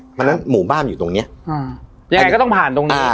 เพราะฉะนั้นหมู่บ้านอยู่ตรงนี้ยังไงก็ต้องผ่านตรงนี้